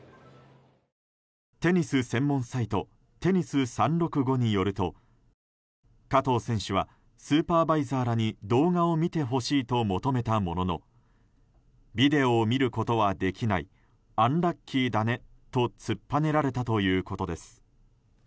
テニス専門サイトテニス３６５によると加藤選手はスーパーバイザーらに動画を見てほしいと求めたもののビデオを見ることはできないアンラッキーだねと突っぱねられたということです。